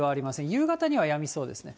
夕方にはやみそうですね。